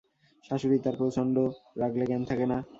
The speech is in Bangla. শাশুড়ি তার প্রচন্ড, রাগলে জ্ঞান থাকে না।